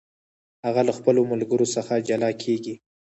هغه له خپلو ملګرو څخه جلا کیږي.